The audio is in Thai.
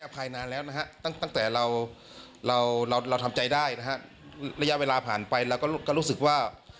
อภัยนานแล้วตั้งแต่เราเราทำใจได้นะครับระยะเวลาผ่านไปแล้วก็รู้กับรู้สึกว่า